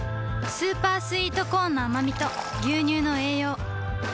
スーパースイートコーンのあまみと牛乳の栄養